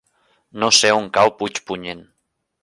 No sé on cau Puigpunyent.